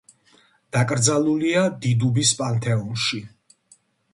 დაკრძალულია დიდუბის პანთეონში.